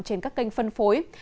trên các kênh phân phối